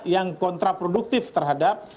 yang kontraproduktif terhadap